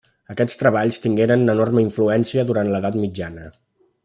Aquests treballs tingueren enorme influència durant l'edat mitjana.